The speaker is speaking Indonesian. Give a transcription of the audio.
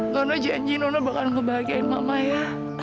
nona janji nona bakal ngebahagiain mama ya